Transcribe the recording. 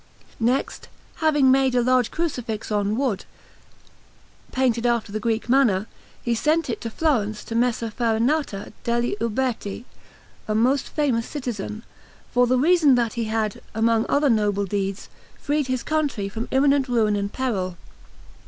Next, having made a large Crucifix on wood, painted after the Greek manner, he sent it to Florence to Messer Farinata degli Uberti, a most famous citizen, for the reason that he had, among other noble deeds, freed his country from imminent ruin and peril.